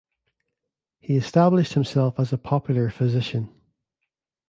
He established himself as a popular physician.